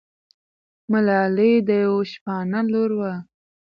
ملالۍ د یوه شپانه لور ده.